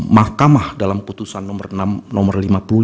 mahkamah dalam putusan nomor lima puluh lima